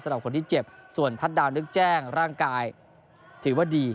สำหรับคนที่เจ็บส่วนทัศน์นึกแจ้งร่างกายถือว่าดี